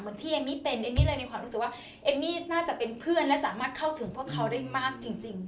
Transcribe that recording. ที่เอมมี่เป็นเอมมี่เลยมีความรู้สึกว่าเอมมี่น่าจะเป็นเพื่อนและสามารถเข้าถึงพวกเขาได้มากจริง